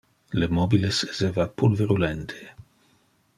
Le mobiles esseva pulverulente.